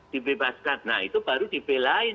dibebaskan nah itu baru dibelain